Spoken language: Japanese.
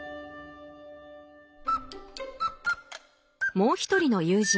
もう一人の友人Ｃ君。